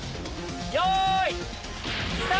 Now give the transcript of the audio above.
よい。